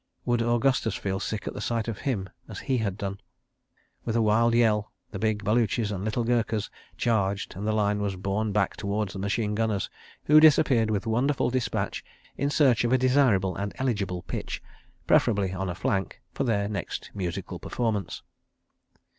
Would Augustus feel sick at the sight of him, as he had done? ... With a wild yell, the big Baluchis and little Gurkhas charged, and the line was borne back toward the machine gunners, who disappeared with wonderful dispatch, in search of a desirable and eligible pitch, preferably on a flank, for their next musical performance.